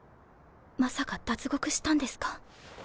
まさか脱獄したんですか？